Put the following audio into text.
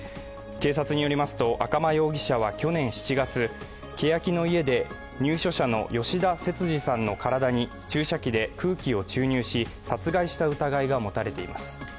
警察によりますと、赤間容疑者は去年７月、けやきの舎で入所者の吉田節次さんの体に注射器で空気を注入し殺害した疑いが持たれています。